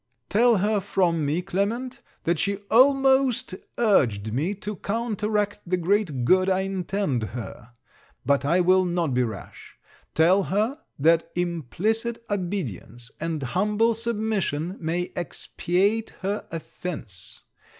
Tell her from me, Clement, that she almost urged me to counteract the great good I intend her. But I will not be rash. Tell her, that implicit obedience, and humble submission may expiate her offence.